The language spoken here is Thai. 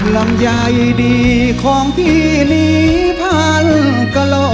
ลำไยดีของพี่นี้พันกะโล